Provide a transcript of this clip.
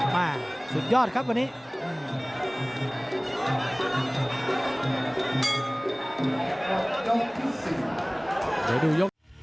มาสุดยอดครับวันนี้